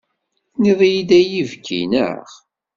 Tenniḍ-iyi-d ay ibki, neɣ?